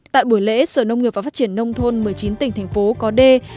tại buổi lễ sở nông nghiệp và phát triển nông thôn một mươi chín tỉnh thành phố có đê